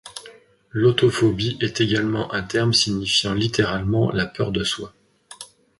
L'autophobie est également un terme signifiant littéralement la peur de soi.